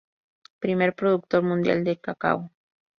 Primer productor mundial de cacao.